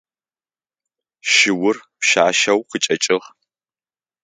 Шыур пшъашъэу къычӏэкӏыгъ.